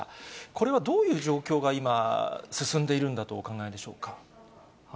これはどういう状況が今、進んでいるんだとお考えでしょうか。